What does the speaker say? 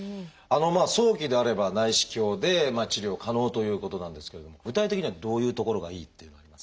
早期であれば内視鏡で治療可能ということなんですけれども具体的にはどういうところがいいっていうのはありますか？